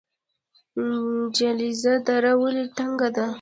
جلریز دره ولې تنګه ده؟